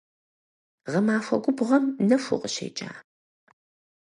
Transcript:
Гъэмахуэу губгъуэм нэху укъыщекӀа?